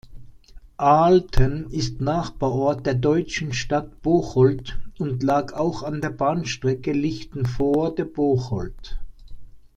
Aalten ist Nachbarort der deutschen Stadt Bocholt und lag auch an der Bahnstrecke Lichtenvoorde–Bocholt.